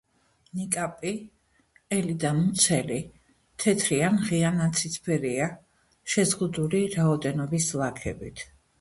ნიკაპი, ყელი და მუცელი თეთრი ან ღია ნაცრისფერია, შეზღუდული რაოდენობის ლაქებით.